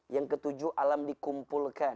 yang ketujuh alam dikumpulkan